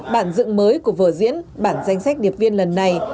bản dựng mới của vở diễn bản danh sách điệp viên lần này